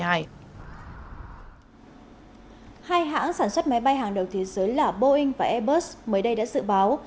hai hãng sản xuất máy bay hàng đầu thế giới là boeing và airbus mới đây đã dự báo